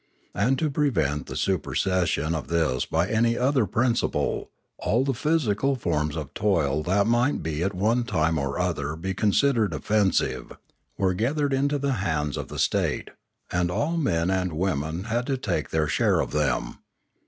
And to prevent the super session of this by any other principle, all the physical forms of toil that might at one time or other be con sidered offensive, were gathered into the hands of the state, and all men and women had to take their share of them.